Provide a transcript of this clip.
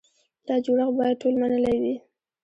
دا جوړښت باید ټول منلی وي.